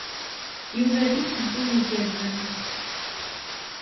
Yuba d imsewwi igerrzen.